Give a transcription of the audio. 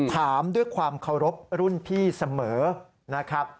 ถามด้วยความเคารพรุ่นพี่เสมอนะครับ